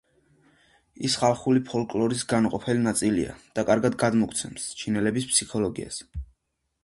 ის ხალხური ფოლკლორის განუყოფელი ნაწილია და კარგად გადმოსცემს ჩინელების ფსიქოლოგიას.